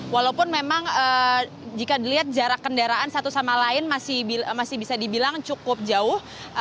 walaupun memang jika dilihat jarak kendaraan satu sama lain masih bisa dibilang cukup jauh